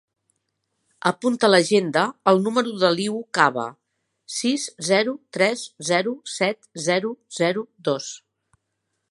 Apunta a l'agenda el número de l'Iu Cava: sis, zero, tres, zero, set, zero, zero, dos.